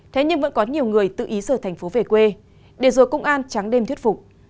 nếu như vẫn có nhiều người tự ý sở thành phố về quê để rồi công an tráng đêm thuyết phục